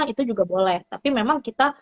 itu juga boleh tapi memang kita